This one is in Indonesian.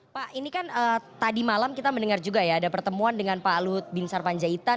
pak ini kan tadi malam kita mendengar juga ya ada pertemuan dengan pak lut bin sarpanjaitan